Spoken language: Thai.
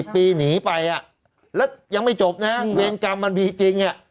ปีหนีไปแล้วยังไม่จบนะเวรกรรมมันมีจริง